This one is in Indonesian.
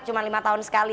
cuma lima tahun sekali